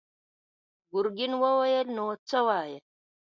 ګرګين وويل: نو څه وايې؟